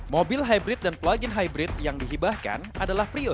mobil hybrid dan plug in hybrid yang dihibahkan adalah priok